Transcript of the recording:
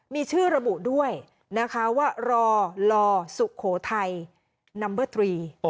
มีชื่อระบุด้วยนะคะว่ารอลสุโขทัยนัมเบอร์ตรี